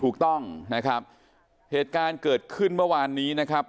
ถูกต้องนะครับเหตุการณ์เกิดขึ้นเมื่อวานนี้นะครับ